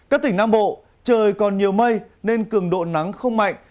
các tỉnh nam bộ trời còn nhiều mây nên cường độ nắng không mạnh